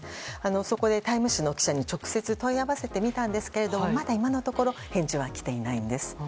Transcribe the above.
そこで「タイム」誌の記者に直接問い合わせてみたんですけれどもまだ今のところ返事は来ていないんです。